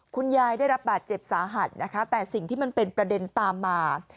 คุณยายได้รับบาดเจ็บสาหัสนะคะแต่สิ่งที่มันเป็นประเด็นตามมา